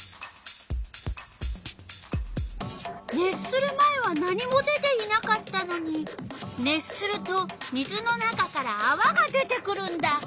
熱する前は何も出ていなかったのに熱すると水の中からあわが出てくるんだ。